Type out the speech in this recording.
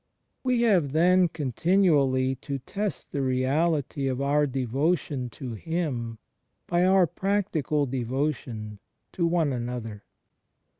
We have then, continually, to test the reality of our devotion to Him by o\ir practical devotion to one another.